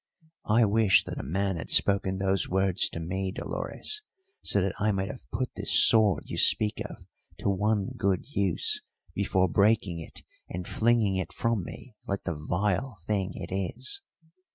I wish that a man had spoken those words to me, Dolores, so that I might have put this sword you speak of to one good use before breaking it and flinging it from me like the vile thing it is!